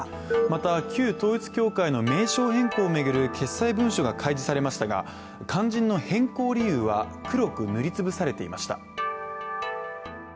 また旧統一教会の名称変更を巡る決裁文書が開示されましたが、肝心の変更理由は黒く塗りつぶされていました。